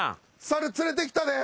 猿連れてきたで。